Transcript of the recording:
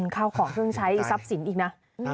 ข้าวของเครื่องใช้ทรัพย์สินอีกนะ